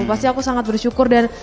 pasti aku sangat bersyukur dan